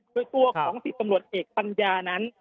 ด้วยตัวของศิษย์ตำรวจเอกปัญญานั้น